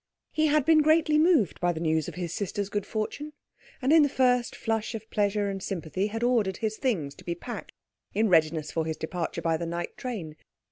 He had been greatly moved by the news of his sister's good fortune, and in the first flush of pleasure and sympathy had ordered his things to be packed in readiness for his departure by the night train.